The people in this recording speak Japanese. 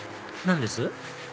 何です？